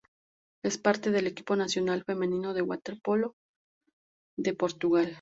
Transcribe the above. Es parte del equipo nacional femenino de waterpolo de Portugal.